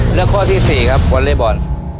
เรื่องข้อที่๔ครับวอเรย์บอน